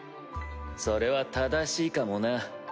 それは正しいかもな。